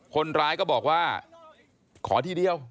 คนร้ายก็บอกว่าขอทีเดียว